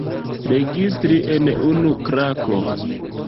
Registri en unu klako.